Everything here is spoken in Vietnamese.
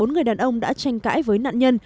bốn người đàn ông đã tranh cãi với nạn nhân